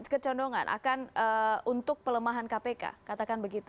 kecondongan akan untuk pelemahan kpk katakan begitu